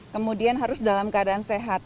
kemudian harus dalam keadaan sehat